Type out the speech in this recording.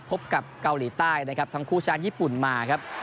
พบกับเกาหลีใต้นะครับทั้งคู่ชนะญี่ปุ่นมาครับ